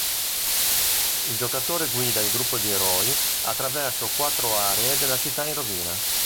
Il giocatore guida il gruppo di eroi attraverso quattro aree della città in rovina.